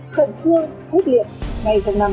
khẩn trương khuyết liệt ngay trong năm hai nghìn hai mươi một